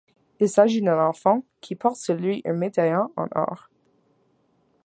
Il s’agit d’un enfant, qui porte sur lui un médaillon en or.